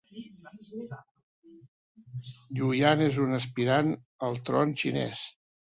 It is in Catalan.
Yuyan era un aspirant al tron xinès.